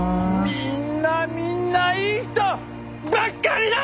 みんなみんないい人ばっかりだ！